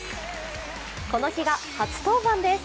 この日が初登板です。